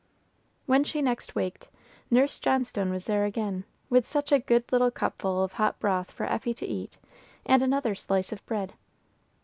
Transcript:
When she next waked, Nurse Johnstone was there again, with such a good little cupful of hot broth for Effie to eat, and another slice of bread.